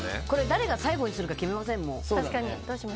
誰が最後にするか決めません？